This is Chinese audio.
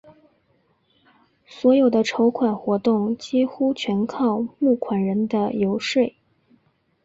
所有的筹款活动几乎全靠募款人的游说。